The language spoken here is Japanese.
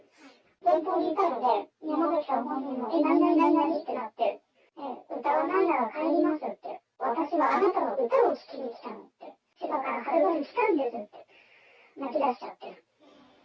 前方にいたので、山崎さん本人も何何何何？ってなって、歌わないなら帰りますって、私はあなたの歌を聴きに来たのって、千葉からはるばる来たんですって、泣き出しちゃって。